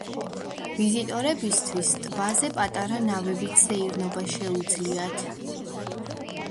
ვიზიტორებისთვის ტბაზე პატარა ნავებით სეირნობა შეუძლიათ.